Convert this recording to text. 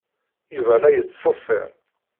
Yuba la yettṣeffir.